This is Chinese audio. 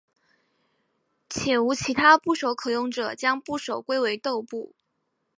且无其他部首可用者将部首归为豆部。